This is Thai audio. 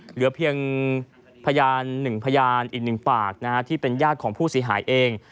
เหลือเพียงพยาน๑พยานอีก๑ปากที่เป็นญาติของผู้เสียหายเอง